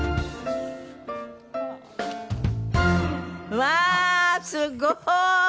うわーすごーい！